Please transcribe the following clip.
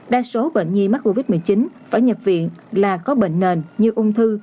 đa số bệnh nhi mắc covid một mươi chín phải nhập viện là có bệnh nền như ung thư